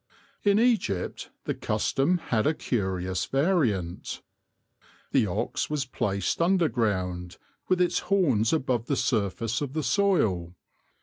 In Egypt the custom had a curious variant. The ox was placed underground, with its horns above the surface of the soil.